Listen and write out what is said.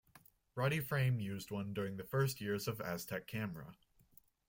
Roddy Frame used one during the first years of Aztec Camera.